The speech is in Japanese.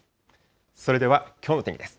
それでは、きょうの天気です。